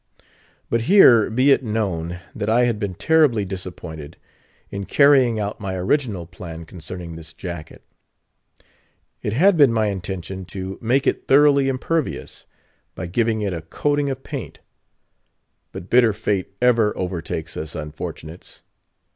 But here be it known, that I had been terribly disappointed in carrying out my original plan concerning this jacket. It had been my intention to make it thoroughly impervious, by giving it a coating of paint, But bitter fate ever overtakes us unfortunates.